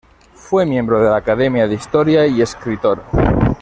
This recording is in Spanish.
Fue miembro de la Academia de Historia y escritor.